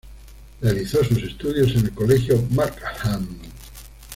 Realizó sus estudios en el Colegio Markham.